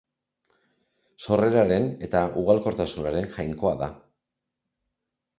Sorreraren eta ugalkortasunaren jainkoa da.